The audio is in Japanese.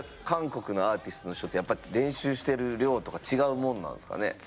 韓国のアーティストの人ってやっぱ練習してる量とか違うもんなんですかね？